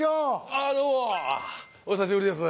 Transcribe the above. あどうもお久しぶりです